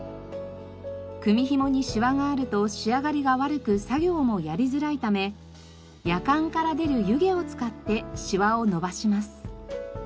組紐にしわがあると仕上がりが悪く作業もやりづらいためやかんから出る湯気を使ってしわを伸ばします。